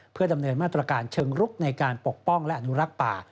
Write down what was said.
เพื่อดำเนินมาตรการเชิงรุกในการปกป้องและอนุรักษ์ป่า